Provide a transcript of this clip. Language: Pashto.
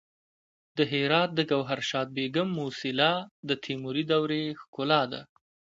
د هرات د ګوهرشاد بیګم موسیلا د تیموري دورې ښکلا ده